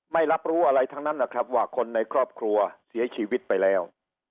ไม่รับรู้อะไรทั้งนั้นนะครับว่าคนในครอบครัวเสียชีวิตไปแล้ว